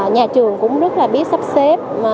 nhà trường cũng rất là biết sắp xếp